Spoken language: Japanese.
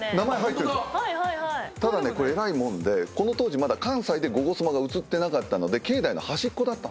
ただねこれえらいもんでこの当時まだ関西で『ゴゴスマ』が映ってなかったので境内の端っこだったんですよ